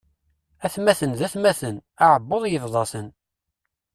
Atmaten d atmaten, aεebbuḍ yebḍa-ten.